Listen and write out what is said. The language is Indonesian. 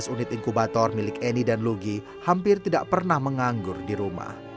dua belas unit inkubator milik eni dan lugi hampir tidak pernah menganggur di rumah